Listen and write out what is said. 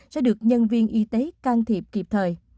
sẽ được nhân viên y tế can thiệp kịp thời